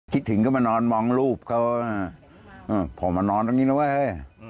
คิดถึงก็มานอนมองรูปเขาผมมานอนตรงนี้นะเว้ย